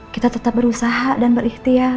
kita tetap berusaha dan berikhtiar